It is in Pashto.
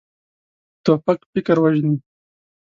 توپک فکر وژني.